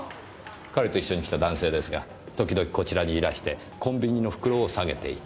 彼と一緒に来た男性ですが時々こちらにいらしてコンビニの袋を下げていた。